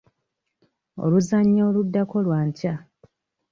Oluzannya oluddako lwa nkya.